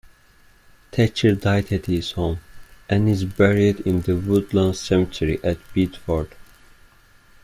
Thatcher died at his home, and is buried in the Woodlawn Cemetery at Biddeford.